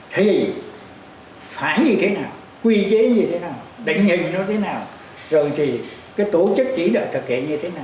thì phải như thế nào quy chế như thế nào định nhìn nó thế nào rồi thì cái tổ chức chỉ đạo thực hiện như thế nào